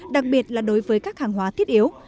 đặc biệt là đối với các hàng hóa thiết yếu